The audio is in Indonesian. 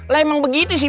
lah emang begitu sih